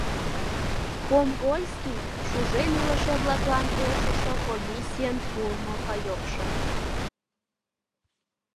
Комгольский — шужен илыше-влаклан полшышо комиссийын пуымо паёкшо.